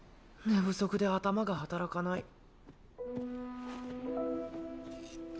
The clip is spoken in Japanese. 寝不足で頭が働かない。